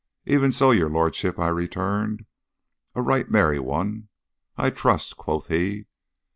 'Even so, your lordship,' I returned. 'A right merry one, I trust,' quoth he.